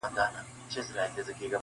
د پسرلي وريځو به !.